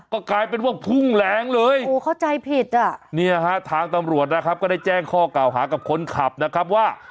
ก็กลายเป็นว่าพุ่งแหลงเลยโอ้โหเข้าใจผิดอ่ะเนี่ยฮะทางตำรวจนะครับก็ได้แจ้งข้อเก่าหากับคนขับนะครับว่า